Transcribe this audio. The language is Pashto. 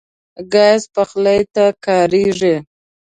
ګاز پخلی ته کارېږي.